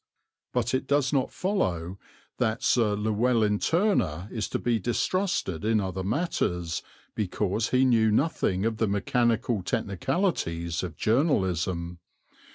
But it does not follow that Sir Llewelyn Turner is to be distrusted in other matters because he knew nothing of the mechanical technicalities of journalism.